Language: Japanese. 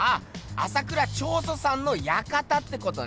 朝倉彫塑さんの館ってことね！